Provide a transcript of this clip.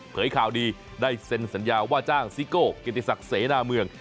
ข่าวดีได้เซ็นสัญญาว่าจ้างซิโก้เกียรติศักดิ์เสนาเมือง